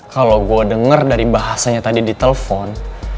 kalau gue denger dari bahasanya tadi di telepon